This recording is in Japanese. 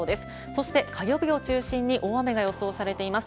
そして、火曜日を中心に大雨が予想されています。